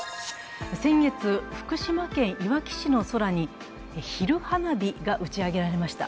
先月、福島県いわき市の空に昼花火が打ち上げられました。